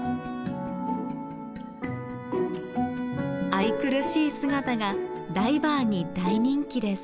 愛くるしい姿がダイバーに大人気です。